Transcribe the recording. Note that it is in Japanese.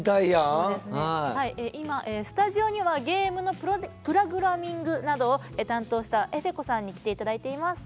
今スタジオにはゲームのプログラミングなどを担当したえふぇ子さんに来て頂いています。